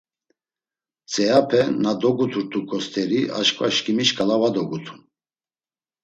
Mtzeape na doguturt̆uǩo st̆eri aşǩva şǩimi şǩala va dogutun.